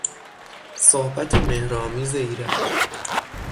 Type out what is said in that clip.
صحبت مهرآمیز ایرج